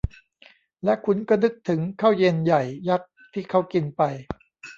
และคุณก็นึกถึงข้าวเย็นใหญ่ยักษ์ที่เค้ากินไป